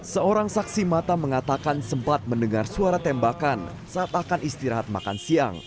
seorang saksi mata mengatakan sempat mendengar suara tembakan saat akan istirahat makan siang